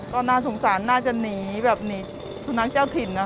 ก็น่าสงสารน่าจะหนีแบบหนีสุนัขเจ้าถิ่นนะ